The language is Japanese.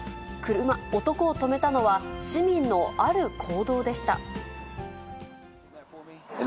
男を止めたのは、市民のある行動でした。